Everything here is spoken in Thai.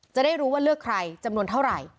จะได้รู้ว่าเลือกใครจำนวนเท่าไหร่